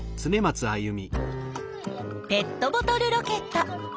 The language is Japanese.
ペットボトルロケット。